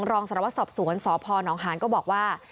รองสารวัตรสอบสวนสพนหานก็บอกว่า